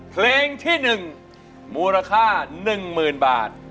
เพลงที่๑มูลค่า๑๐๐๐บาท